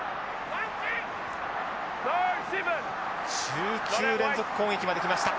１９連続攻撃まで来ました。